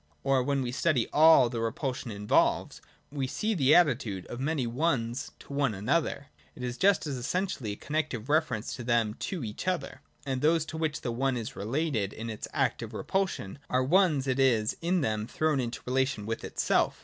Or when we study all that Bepulsion involves, we see that as a negative attitude of many Ones to one another, it is just as essentially a connective reference of them to each other; and as those to which the One is related in its act of repulsion are ones, it is in them thrown into relation with itself.